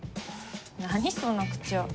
何その口調。